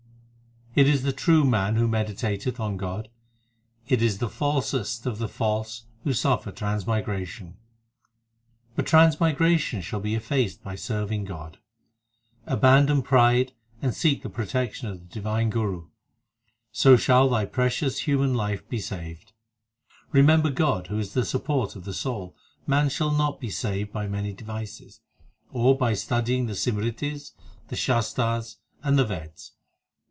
It is the true man who meditateth on God ; It is the falsest of the false who suffer transmigration ; But transmigration shall be effaced by serving God. Abandon pride and seek the protection of the divine Guru, So shall thy precious human life be saved. Remember God who is the support of the soul Man shall not be saved by many devices, Or by studying the Simritis, the Shastars, and the Veds.